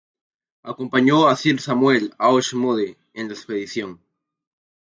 Acompañó a Sir Samuel Auchmuty en la expedición.